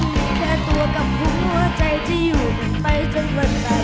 ถึงแค่ตัวกับหัวใจที่อยู่กันไปทั้งวันไทย